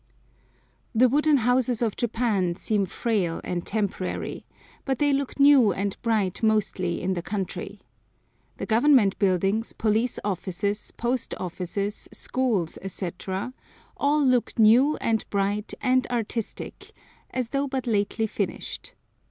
The wooden houses of Japan seem frail and temporary, but they look new and bright mostly in the country. The government buildings, police offices, post offices, schools, etc., all look new and bright and artistic, as though but lately finished.